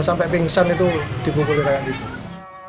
sampai pingsan itu dibukul dengan gitu